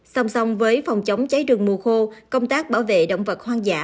song song với phòng chống cháy rừng mùa khô công tác bảo vệ động vật hoang dã